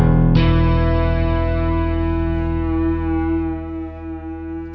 tidak ada yang tahu